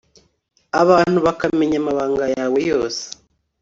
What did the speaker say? abantu bakamenya amabanga yawe yose